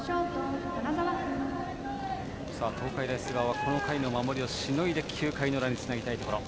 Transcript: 東海大菅生はこの回の守りをしのいで９回裏につなぎたいところ。